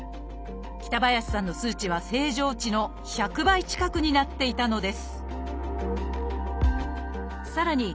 北林さんの数値は正常値の１００倍近くになっていたのですさらに